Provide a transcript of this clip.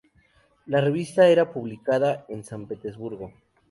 La revista era publicada en San Petersburgo.